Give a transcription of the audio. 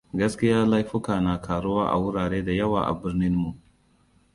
Gaskiya laifuka na ƙaruwa a wurare da yawa a birnin mu.